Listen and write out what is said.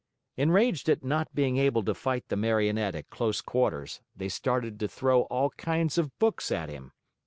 Enraged at not being able to fight the Marionette at close quarters, they started to throw all kinds of books at him.